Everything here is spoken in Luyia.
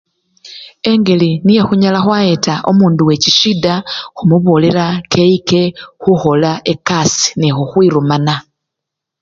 Engeli niyo khunyala khwayeta omundu wechisyida, khumubolela keyike khukhola ekasii nekhukhwirumana.